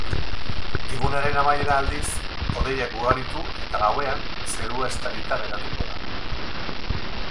Egunaren amaieran, aldiz, hodeiak ugaritu eta gauean zerua estalita geratuko da.